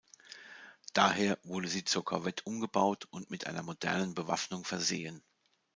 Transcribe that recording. Daher wurde sie zur Korvette umgebaut und mit einer modernen Bewaffnung versehen.